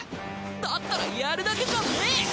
だったらやるだけじゃんね！